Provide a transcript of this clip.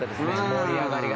盛り上がりが。